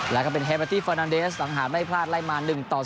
แล้วก็เป็นเฮเมตตี้เฟอร์นันเดสหลังหาไม่พลาดไล่มา๑๒